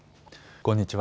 こんにちは。